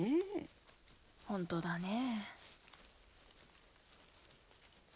本当だねぇ。